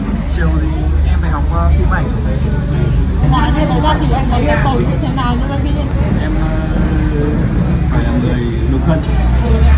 ngoài thêm một gia trình em có biết bầu như thế nào